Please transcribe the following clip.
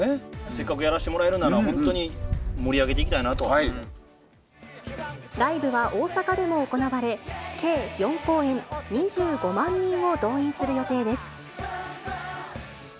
せっかくやらせてもらえるなら、本当に盛り上げていきたいなライブは大阪でも行われ、計４公演２５万人を動員する予定です。